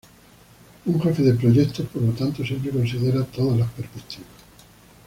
Un jefe de proyectos por lo tanto siempre considera todas las perspectivas.